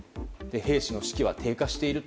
兵士の士気は低下している。